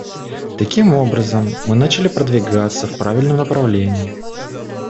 Таким образом, мы начали продвигаться в правильном направлении.